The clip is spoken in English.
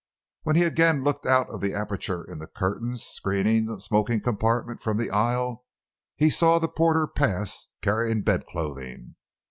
When he again looked out of the aperture in the curtains screening the smoking compartment from the aisle he saw the porter pass, carrying bedclothing.